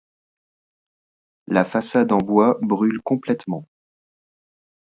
La façade en bois brûle complètement.